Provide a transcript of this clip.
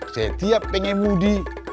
saya tiap pengen mudi